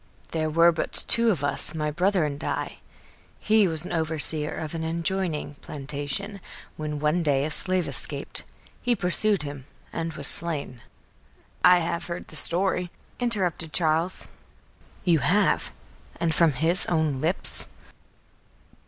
There were but two of us, my brother and I. He was an overseer of an adjoining plantation, when one day a slave escaped. He pursued him and was slain." "I have heard the story," interrupted Charles. "You have? and from his own lips?"